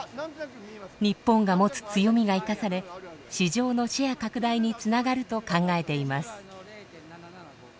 日本が持つ強みが生かされ市場のシェア拡大につながると考えています。